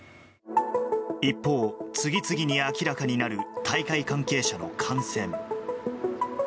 一方、次々に明らかになる大会関係者の感染。